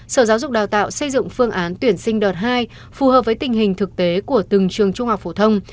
sở giáo dục đào tạo xây dựng phương án tuyển sinh đợt hai phù hợp với tình hình thực tế của từng trường trung học phổ thông